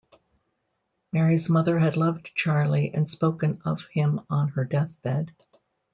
Mary's mother had loved Charlie and spoken of him on her deathbed.